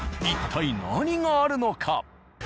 一体何があるのか？